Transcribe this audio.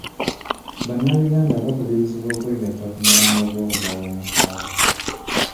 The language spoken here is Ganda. Bannayuganda bakubirizibwa okwegatta ku mulanga gw'okugaba omusaayi.